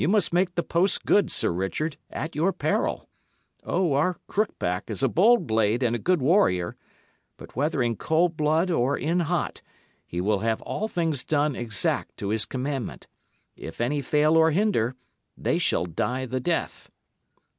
Ye must make the post good, Sir Richard, at your peril. O, our Crookback is a bold blade and a good warrior; but, whether in cold blood or in hot, he will have all things done exact to his commandment. If any fail or hinder, they shall die the death."